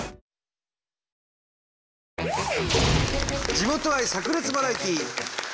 地元愛さく裂バラエティー！